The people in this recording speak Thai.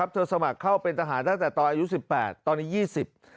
เธอสมัครเข้าเป็นทหารตั้งแต่ตอนอายุ๑๘ตอนนี้๒๐